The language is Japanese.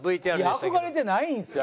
いや憧れてないんですよ